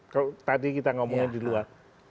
kalau tadi kita ngomongin di luar